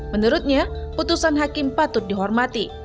menurutnya putusan hakim patut dihormati